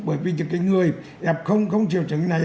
bởi vì cho cái người f không chịu chứng này